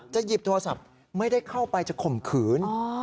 หยิบโทรศัพท์ไม่ได้เข้าไปจะข่มขืน